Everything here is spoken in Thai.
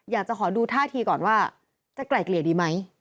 อยากจะขอดูท่าทีก่อนว่าจะไกล่เกลี่ยดีไหม